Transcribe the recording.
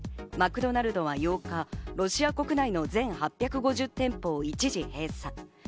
マクドナルドは８日、ロシア国内の全８５０店舗を一時閉鎖。